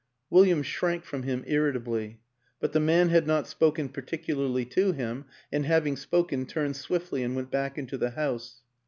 ... William shrank from him irritably, but the man had not spoken particularly to him, and, having spoken, turned swiftly and went back into the house.